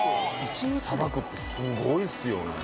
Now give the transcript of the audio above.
さばくってすごいっすよね。